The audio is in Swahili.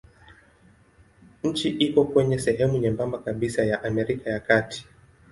Nchi iko kwenye sehemu nyembamba kabisa ya Amerika ya Kati.